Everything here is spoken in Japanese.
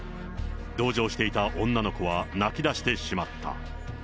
同乗していた女の子は泣き出してしまった。